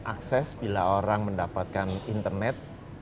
akses bila orang mendapatkan internet